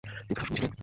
তুইতো সবসময়ই ছিলি।